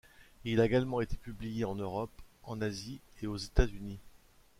Il a également été publié en Europe, en Asie et aux États-Unis.